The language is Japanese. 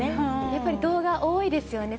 やっぱり動画、多いですよね。